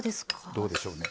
どうでしょうね。